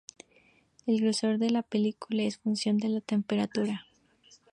El grosor de la película es función de la temperatura.